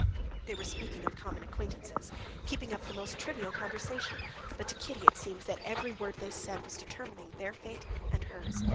They were speaking of common acquaintances, keeping up the most trivial conversation, but to Kitty it seemed that every word they said was determining their fate and hers.